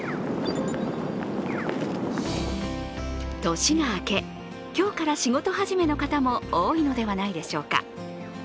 年が明け、今日から仕事始めの方も多いのではないでしょうか。